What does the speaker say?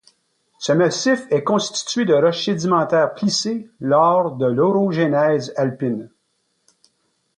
Ce massif est constitué de roches sédimentaires plissées lors de l'orogénèse alpine.